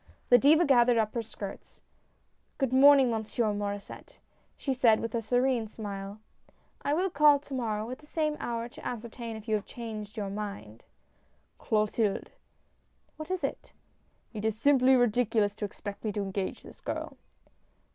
The Diva gathered up her skirts. " Good morning, Monsieur Maur^sset," she said with a serene smile. "I will call to morrow at the same hour, to ascertain if you have changed your mind." "Clotilde!" "What is it?" " It is simply ridiculous to expect me to engage this girl."